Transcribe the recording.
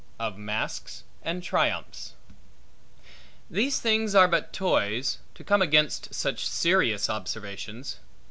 Of Masques And Triumphs THESE things are but toys, to come amongst such serious observations.